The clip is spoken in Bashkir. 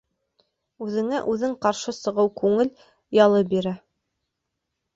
Үҙеңә үҙең ҡаршы сығыу күңел ялы бирә.